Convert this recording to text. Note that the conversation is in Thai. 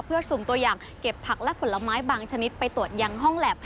เพื่อสุ่มตัวอย่างเก็บผักและผลไม้บางชนิดไปตรวจยังห้องแล็บ